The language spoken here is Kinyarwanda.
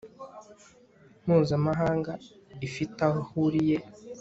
mpuzamahanga ifite aho ihuriye